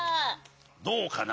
どうかな？